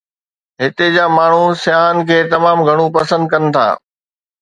هتي جا ماڻهو سياحن کي تمام گهڻو پسند ڪن ٿا.